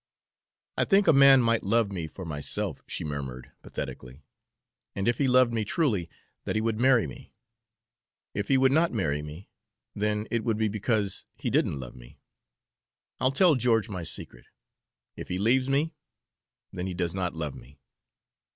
"I think a man might love me for myself," she murmured pathetically, "and if he loved me truly, that he would marry me. If he would not marry me, then it would be because he didn't love me. I'll tell George my secret. If he leaves me, then he does not love me."